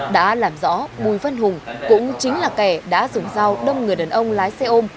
đã làm rõ bùi văn hùng cũng chính là kẻ đã dùng dao đâm người đàn ông lái xe ôm